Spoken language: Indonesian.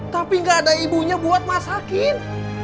tapi gak ada ibunya buat masakin